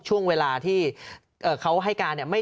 ช่วงเวลาที่เขาให้การ